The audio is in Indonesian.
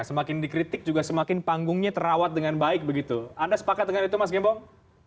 semakin dikritik juga semakin panggungnya terawat dengan baik begitu anda sepakat dengan itu mas gembong